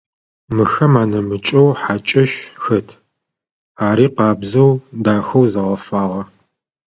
Мыхэм анэмыкӏэу хьакӏэщ хэт, ари къабзэу, дахэу зэгъэфагъэ.